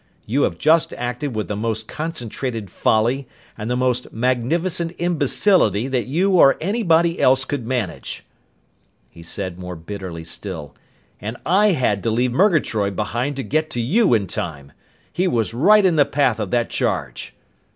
You have just acted with the most concentrated folly, and the most magnificent imbecility that you or anybody else could manage!" He said more bitterly still, "And I had to leave Murgatroyd behind to get to you in time! He was right in the path of that charge!"